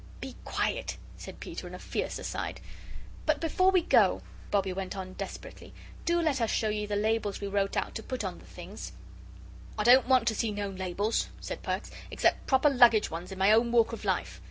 "Be quiet," said Peter, in a fierce aside. "But before we go," Bobbie went on desperately, "do let us show you the labels we wrote to put on the things." "I don't want to see no labels," said Perks, "except proper luggage ones in my own walk of life.